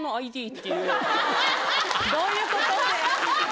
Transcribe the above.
どういうこと？